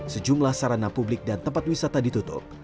sejumlah sarana publik dan tempat wisata ditutup